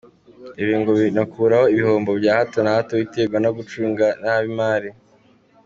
Ibi ngo binakuraho ibihombo bya hato na hato biterwa no gucunga nabi imari.